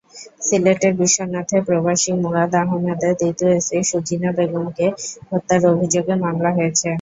সিলেটের বিশ্বনাথে প্রবাসী মুরাদ আহমদের দ্বিতীয় স্ত্রী সুজিনা বেগমকে হত্যার অভিযোগে মামলা হয়েছে।